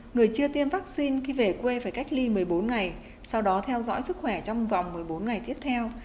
người chưa tiêm vaccine khi về quê phải cách ly một mươi bốn ngày sau đó theo dõi sức khỏe trong vòng một mươi bốn ngày tiếp theo